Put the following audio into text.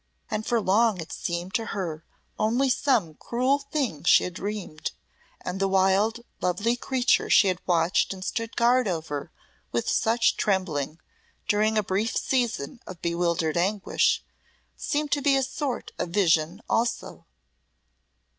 And for long it had seemed to her only some cruel thing she had dreamed; and the wild lovely creature she had watched and stood guard over with such trembling, during a brief season of bewildered anguish, seemed to be a sort of vision also.